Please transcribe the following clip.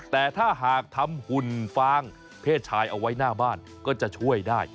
แต่ถ้าหากทำหุ่นฟางเพศชายเอาไว้หน้าบ้านก็จะช่วยได้